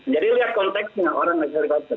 jadi lihat konteksnya orang naik helikopter